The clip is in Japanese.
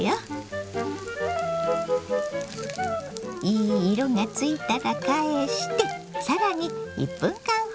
いい色がついたら返して更に１分間ほど焼きます。